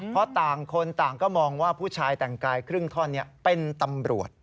เพราะต่างคนต่างก็มองว่าผู้ชายแต่งกายครึ่งท่อนเป็นตำรวจ